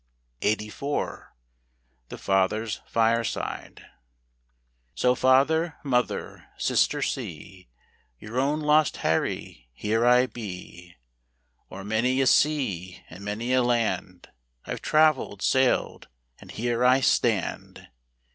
ENGLAND. 84 . The Father's Fireside . So father, mother, sister, see, Your owa lost Harry, here I be. O'er many a sea, and many a land, I've travelled, sailed, and here I stand.